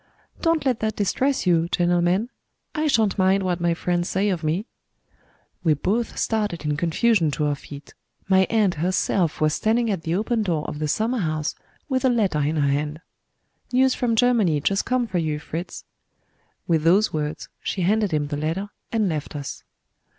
"Don't let that distress you, gentlemen I shan't mind what my friends say of me." We both started in confusion to our feet. My aunt herself was standing at the open door of the summer house with a letter in her hand. "News from Germany, just come for you, Fritz." With those words, she handed him the letter, and left us.